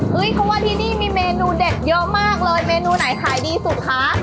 เพราะว่าที่นี่มีเมนูเด็ดเยอะมากเลยเมนูไหนขายดีสุดคะ